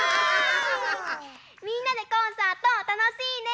みんなでコンサートたのしいね！